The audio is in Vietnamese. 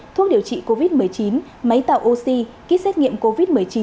thuốc điều trị covid một mươi chín máy tạo oxy kit xét nghiệm covid một mươi chín